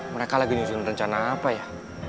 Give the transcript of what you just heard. mereka lagi nyusun rencana apa ya